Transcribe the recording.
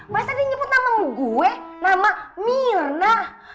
masa ada nyebut nama gue nama mirna